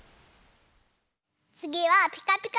つぎは「ピカピカブ！」